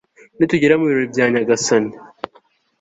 nitugera mu birori bya nyagasani